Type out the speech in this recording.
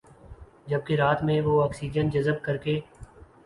جبکہ رات میں وہ آکسیجن جذب کرکے